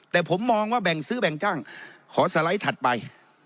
แต่ผมมองว่าแบ่งซื้อแบ่งจ้างขอสไลด์ถัดไป